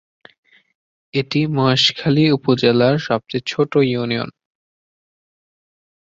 এটি মহেশখালী উপজেলার সবচেয়ে ছোট ইউনিয়ন।